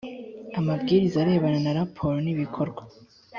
amabwiriza arebana na raporo n’ibikorwa